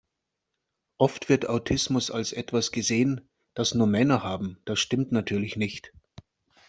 Oft wird Autismus als etwas gesehen, das nur Männer haben. Das stimmt natürlich nicht.